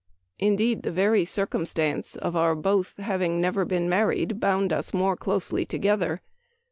Indeed, the very circumstance of our both having never been married bound us more closely together.